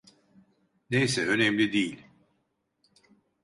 Neyse, önemli değil.